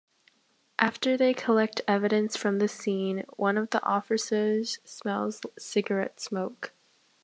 After they collect evidence from the scene, one of the officers smells cigarette smoke.